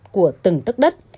của từng tấc đất